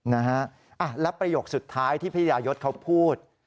นะฮะแล้วประโยคสุดท้ายที่พี่ยายศเขาพูด